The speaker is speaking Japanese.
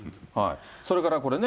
それからこれね。